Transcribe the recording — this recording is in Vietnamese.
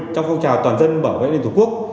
trong phong trào toàn dân bảo vệ an ninh tổ quốc